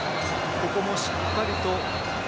ここもしっかりと。